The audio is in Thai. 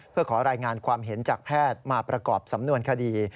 เพื่อขอรายงานความเห็นจากแพทย์มาประกอบสำนวนคดี